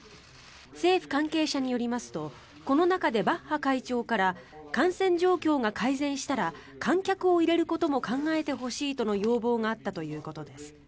政府関係者によりますとこの中でバッハ会長から感染状況が改善したら観客を入れることも考えてほしいとの要望があったということです。